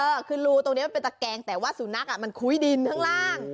คือรูตรงนี้มันเป็นตะแกงแต่ว่าสุนัขอ่ะมันคุ้ยดินข้างล่าง